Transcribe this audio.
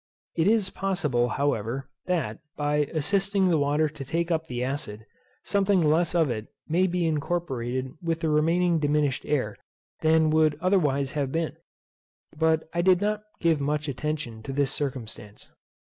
It is possible, however, that, by assisting the water to take up the acid, something less of it may be incorporated with the remaining diminished air than would otherwise have been; but I did not give much attention to this circumstance.